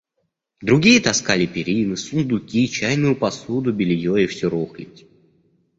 Другие таскали перины, сундуки, чайную посуду, белье и всю рухлядь.